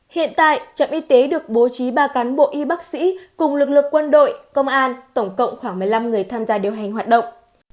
hiện tại trạm y tế được bố trí ba cán bộ y bác sĩ cùng lực lượng quân đội công an tổng cộng khoảng một mươi năm người tham gia điều hành hoạt động